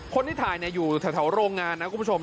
คนที่ถ่ายอยู่แถวโรงงานนะคุณผู้ชม